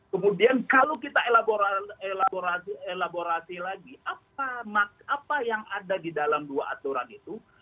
kemudian kalau kita elaborasi lagi apa yang ada di dalam dua aturan itu